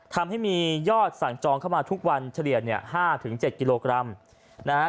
ทำให้มียอดสั่งจองเข้ามาทุกวันเฉลี่ยเนี่ย๕๗กิโลกรัมนะฮะ